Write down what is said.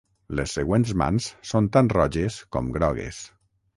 Les següents mans són tan roges com grogues.